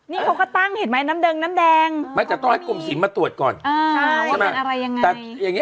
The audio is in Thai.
นี่เขาก็ตั้งเห็นไหมน้ำเดงน้ำแดงมันแต่ต้องให้กลมสิมมาตรวจก่อน